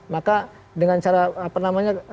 maka dengan cara apa namanya